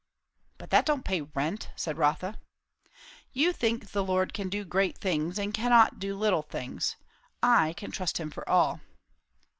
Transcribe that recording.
'" "But that don't pay rent," said Rotha. "You think the Lord can do great things, and cannot do little things. I can trust him for all."